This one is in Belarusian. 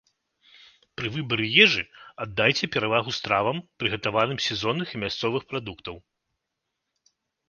Пры выбары ежы, аддайце перавагу стравам, прыгатаваным з сезонных і мясцовых прадуктаў.